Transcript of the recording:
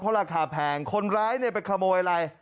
เพราะราคาแพงคนร้ายเนี่ยไปขโมยอะไร